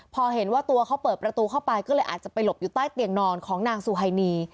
พอเห็นว่าตัวเขาเปิดประตูเข้าไปก็เลยอาจจะไปหลบอยู่ใต้เตียงนอนของนางซูไฮนี